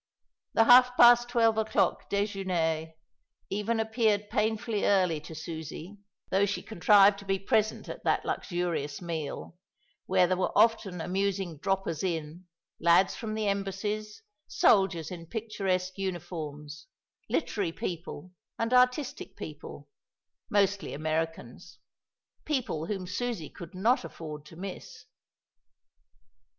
The half past twelve o'clock déjeuner even appeared painfully early to Susie, though she contrived to be present at that luxurious meal, where there were often amusing droppers in, lads from the embassies, soldiers in picturesque uniforms, literary people and artistic people, mostly Americans, people whom Susie could not afford to miss.